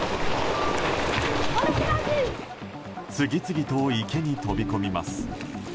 次々と池に飛び込みます。